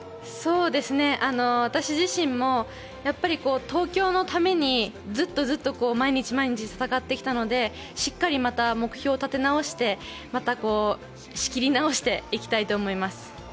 私自身もやっぱり東京のためにずっとずっと毎日毎日戦ってきたのでしっかりまた目標を立て直して仕切り直していきたいと思います。